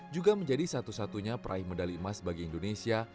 juga menjadi satu satunya peraih medali emas bagi indonesia